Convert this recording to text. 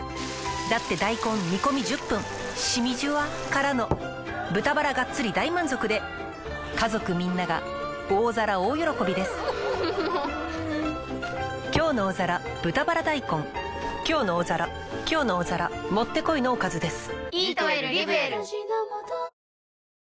だって大根煮込み１０分しみじゅわからの豚バラがっつり大満足で家族みんなが大皿大喜びです「きょうの大皿」「きょうの大皿」もってこいのおかずです。